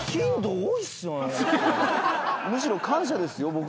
むしろ感謝ですよ